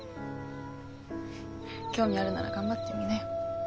興味あるなら頑張ってみなよ。